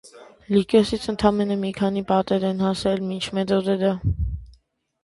Լիկիոսից ընդամենը մի քանի պատեր են հասել մինչ մեր օրերը։